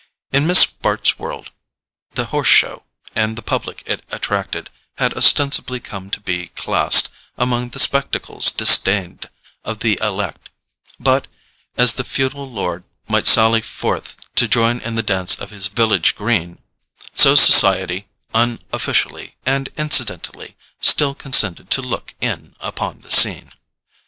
In Miss Bart's world the Horse Show, and the public it attracted, had ostensibly come to be classed among the spectacles disdained of the elect; but, as the feudal lord might sally forth to join in the dance on his village green, so society, unofficially and incidentally, still condescended to look in upon the scene.